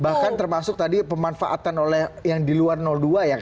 bahkan termasuk tadi pemanfaatan oleh yang di luar dua ya